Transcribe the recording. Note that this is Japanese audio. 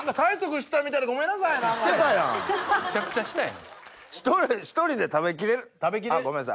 むちゃくちゃしたやん。